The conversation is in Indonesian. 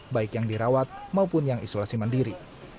baik yang dirawat maupun yang isolasi mandiri